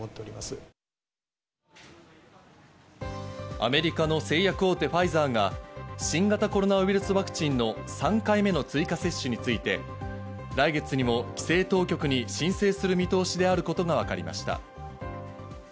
アメリカの製薬大手ファイザーが新型コロナウイルスワクチンの３回目の追加接種について、来月にも規制当局に申請する見通しであることがわかりました。